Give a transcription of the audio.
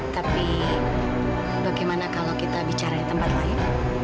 tapi bagaimana kalau kita bicara di tempat lain